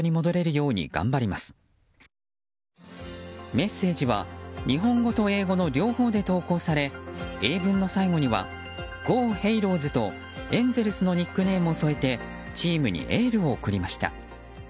メッセージは日本語と英語の両方で投稿され英文の最後には「ＧｏＨａｌｏｓ！」とエンゼルスのニックネームを添えてチームにエールを送りました。